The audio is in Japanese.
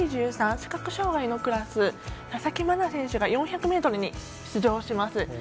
視覚障がいのクラス佐々木真菜選手が４００ｍに出場します。